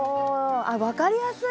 あっ分かりやすい！